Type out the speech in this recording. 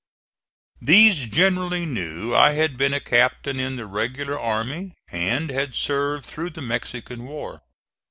These generally knew I had been a captain in the regular army and had served through the Mexican war.